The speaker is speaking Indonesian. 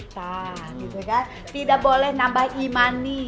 nah tidak boleh nambah e money